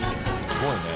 すごいね。